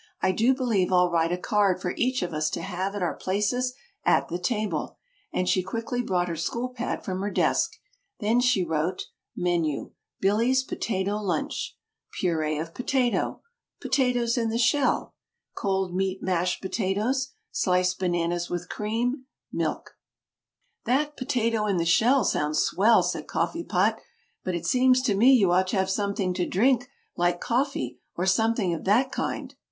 "I do believe I'll write a card for each of us to have at our places at the table!" and she quickly brought her school pad from her desk. [Illustration: She brought her school pad.] Then she wrote: MENU Billy's Potato Lunch Purée of Potato Potatoes in the Shell Cold Meat Mashed Potatoes Sliced Bananas with Cream Milk "That 'Potato in the Shell' sounds 'swell,'" said Coffee Pot, "but it seems to me you ought to have something to drink, like coffee, or something of that kind."